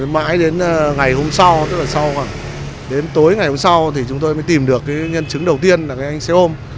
mãi đến ngày hôm sau tối ngày hôm sau chúng tôi mới tìm được nhân chứng đầu tiên là anh xe ôm